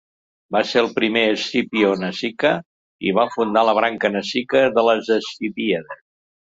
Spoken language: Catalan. Va ser el primer Scipio Nasica i va fundar la branca Nasica de les Scipiades.